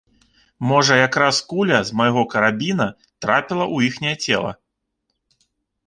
Можа якраз куля з майго карабіна трапіла ў іхняе цела.